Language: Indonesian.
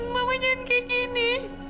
mama jangan kayak gini